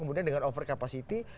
kemudian dengan over capacity